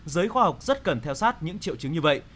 giới khoa học rất cần theo sát những triệu chứng như vậy